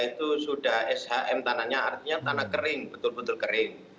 itu sudah shm tanahnya artinya tanah kering betul betul kering